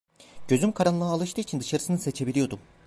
Gözüm karanlığa alıştığı için dışarısını seçebiliyordum.